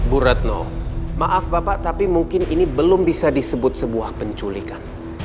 bu retno maaf bapak tapi mungkin ini belum bisa disebut sebuah penculikan